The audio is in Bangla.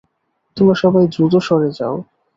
তোমরা সবাই দ্রুত সরে যাও।